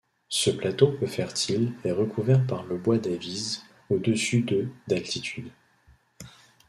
Ce plateau peu fertile est recouvert par le bois d'Avize, au-dessus de d'altitude.